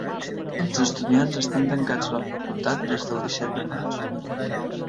Els estudiants estan tancats a la facultat des del disset de maig.